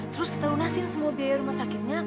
terus kita lunasin semua biaya rumah sakitnya